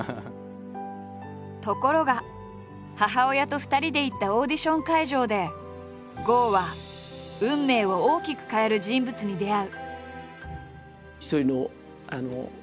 ところが母親と２人で行ったオーディション会場で郷は運命を大きく変える人物に出会う。